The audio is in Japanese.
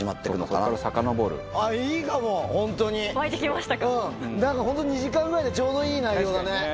なんか本当、２時間ぐらいでちょうどいい内容だね。